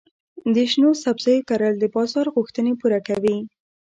د شنو سبزیو کرل د بازار غوښتنې پوره کوي.